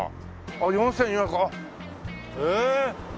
あっ４４００へえ！